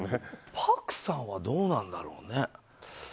朴さんはどうなんだろうね。